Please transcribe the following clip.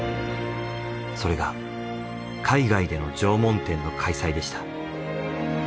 それが海外での縄文展の開催でした。